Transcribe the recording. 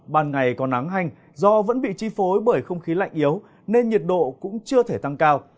ban ngày có nắng hành do vẫn bị chi phối bởi không khí lạnh yếu nên nhiệt độ cũng chưa thể tăng cao